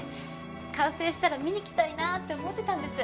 完成したら見に来たいなあって思ってたんです